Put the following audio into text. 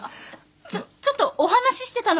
ちょっちょっとお話ししてたの。